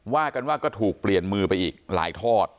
ว่ากันว่าก็ถูกเปลี่ยนมือไปอีกหลายทอด